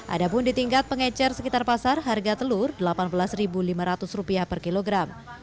ada pun di tingkat pengecer sekitar pasar harga telur rp delapan belas lima ratus per kilogram